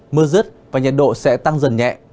mưa rứt và nhiệt độ sẽ tăng dần nhẹ